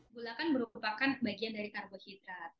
gula kan merupakan bagian dari karbohidrat